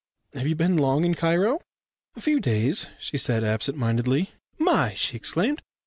Have you been long in Cairo?" "A few days," she said absent mindedly. "My!" she exclaimed.